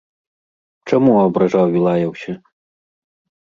Чаму абражаў і лаяўся?